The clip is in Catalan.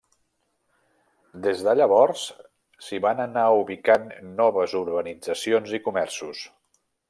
Des de llavors, s'hi van anar ubicant noves urbanitzacions i comerços.